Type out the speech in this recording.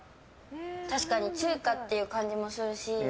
確かに中華っていう感じもするし。